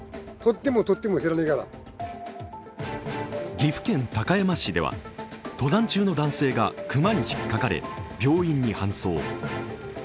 岐阜県高山市では、登山中の男性が熊にひっかかれ、病院に搬送。